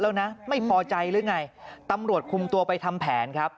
แล้วนะไม่พอใจหรือไงตำรวจคุมตัวไปทำแผนครับ